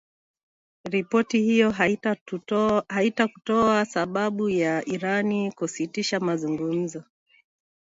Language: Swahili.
Ripoti hiyo haikutoa sababu ya Iran kusitisha mazungumzo